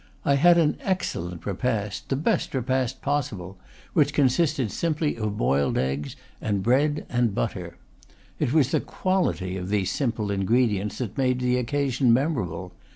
I had an excellent repast the best repast possible which consisted simply of boiled eggs and bread and butter. It was the quality of these simple ingredients that made the occasion memorable.